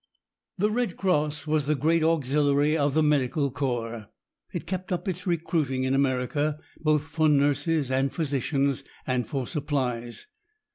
The Red Cross was the great auxiliary of the Medical Corps. It kept up its recruiting in America, both for nurses and physicians, and for supplies.